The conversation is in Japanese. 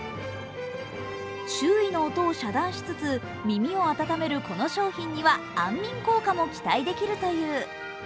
周囲の音を遮断しつつ耳を温めるこの商品には安眠効果も期待できるという。